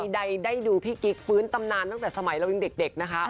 ใดได้ดูพี่กิ๊กฟื้นตำนานตั้งแต่สมัยเรายังเด็กนะคะ